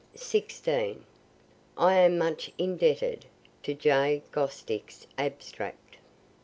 I am much indebted to J. Gostick's abstract.